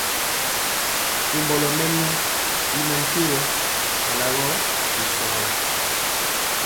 Kombolo mɛlu y ŋatyegɔ dalagɔ bishuaŋa.